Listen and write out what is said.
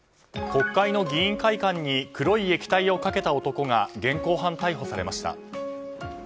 国会の議員会館に黒い液体をかけた男が現行犯逮捕されました。